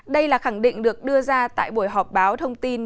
đây là khẳng định được đưa ra tại buổi họp báo thông tin